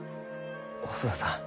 細田さん